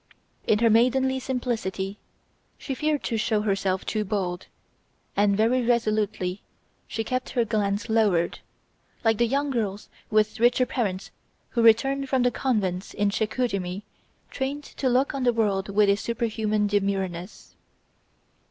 In her maidenly simplicity she feared to show herself too bold, and very resolutely she kept her glance lowered, like the young girls with richer parents who return from the convents in Chicoutimi trained to look on the world with a superhuman demureness.